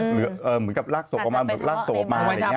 เหมือนกับลากศพออกมา